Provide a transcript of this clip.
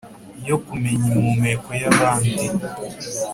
yo kumenya impumeko y'abandi